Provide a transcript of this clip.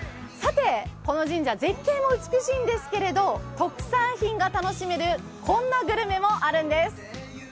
この神社、絶景も美しいんですが、特産品が楽しめるこんなグルメもあるんです。